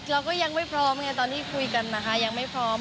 เราก็ยังไม่พร้อมไงตอนที่คุยกันนะคะยังไม่พร้อม